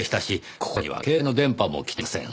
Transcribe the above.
ここには携帯の電波も来ていません。